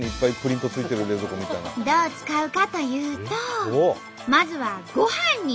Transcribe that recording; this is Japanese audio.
どう使うかというとまずはごはんに！